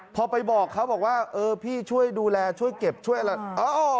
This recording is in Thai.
พอไปบอกเขาบอกว่าเออพี่ช่วยดูแลช่วยเก็บช่วยอะไร